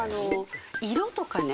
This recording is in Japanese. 色とかね。